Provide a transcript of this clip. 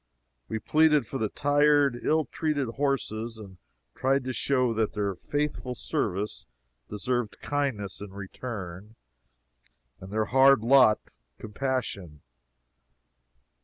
We pleaded for the tired, ill treated horses, and tried to show that their faithful service deserved kindness in return, and their hard lot compassion.